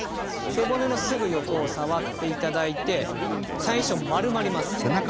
背骨のすぐ横を触っていただいて最初丸まります。